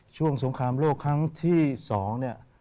ช่วงสงครามโลกครั้งที่๒เนี่ย